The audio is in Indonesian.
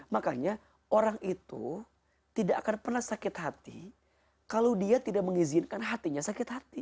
makanya orang itu tidak akan pernah sakit hati kalau dia tidak mengizinkan hatinya sakit hati